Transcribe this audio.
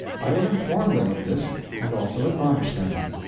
I will inform them of this, and also admonish them.